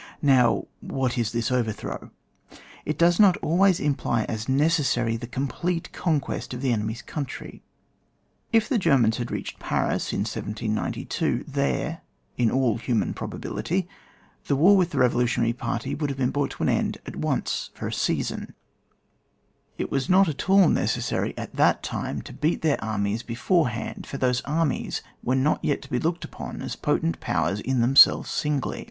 Now, what is this overthrow P It doee not always imply as necessary the com plete conquest of the enemy^s oountzy. If the Germans had reached Paii% in CHAP. IV.] ENDS JOt WAR MORE PRECISELY DEFINED. 67 1792, there— in all luunan probability— the war wtth the Bevolutioxiary party would have been brought to an end at once for a season ; it was not at all necessary at that time to beat their armies before hand, for those armies were not yet to be looked upon as potent powers in themselyes singly.